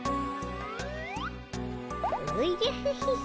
おじゃヒヒヒ。